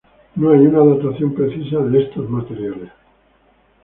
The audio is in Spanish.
No hay una datación precisa de estos materiales.